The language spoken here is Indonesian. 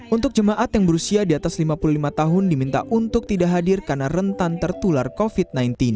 untuk jemaat yang berusia di atas lima puluh lima tahun diminta untuk tidak hadir karena rentan tertular covid sembilan belas